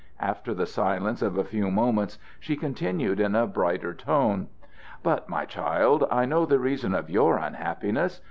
After the silence of a few moments she continued in a brighter tone: "But, my child, I know the reason of your unhappiness.